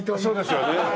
そうですよね。